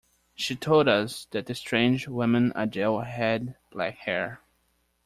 She told us that the strange woman Adele had black hair.